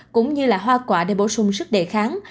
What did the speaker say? cũng như là hoa quả để bổ sung sức đề kháng